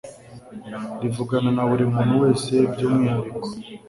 rivugana na buri muntu wese byumwihariko